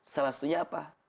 salah satunya apa